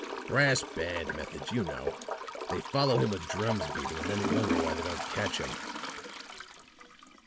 "Brass band methods, you know. They follow him with drums beating and then wonder why they don't catch him."